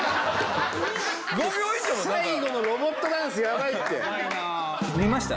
最後のロボットダンスやばいって。